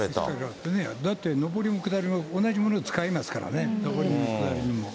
だって上りも下りも同じものを使いますからね、上りも下りも。